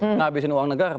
menghabiskan uang negara